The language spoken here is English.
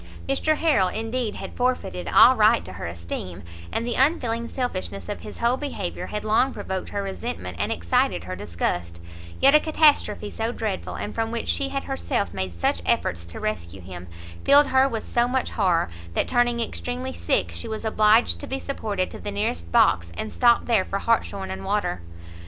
Mr Harrel, indeed, had forfeited all right to her esteem, and the unfeeling selfishness of his whole behaviour had long provoked her resentment and excited her disgust; yet a catastrophe so dreadful, and from which she had herself made such efforts to rescue him, filled her with so much horror, that, turning extremely sick, she was obliged to be supported to the nearest box, and stop there for hartshorn and water.